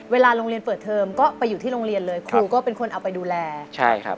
เวลาโรงเรียนเปิดเทอมก็ไปอยู่ที่โรงเรียนเลยครูก็เป็นคนเอาไปดูแลใช่ครับ